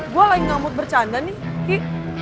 gue lagi ngamut bercanda nih ki